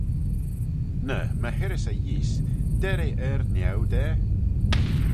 Ny my hirrys eh eeast, der eh ard-nieu da?